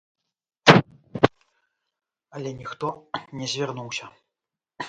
Але ніхто не звярнуўся.